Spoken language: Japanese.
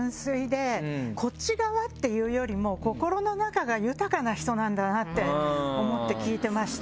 こっち側っていうよりも心の中が豊かな人なんだなって思って聞いてました。